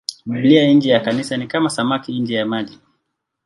Biblia nje ya Kanisa ni kama samaki nje ya maji.